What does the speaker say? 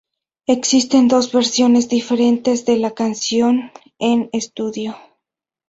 Existen dos versiones diferentes de la canción en estudio.